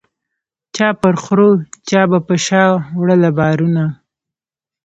چا پر خرو چا به په شا وړله بارونه